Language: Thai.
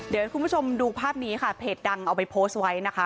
เดี๋ยวให้คุณผู้ชมดูภาพนี้ค่ะเพจดังเอาไปโพสต์ไว้นะคะ